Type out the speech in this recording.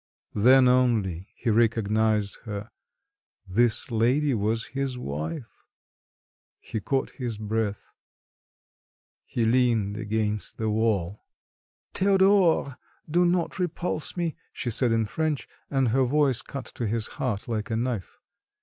Then, only, he recognised her: this lady was his wife! He caught his breath.... He leaned against the wall. "Théodore, do not repulse me!" she said in French, and her voice cut to his heart like a knife.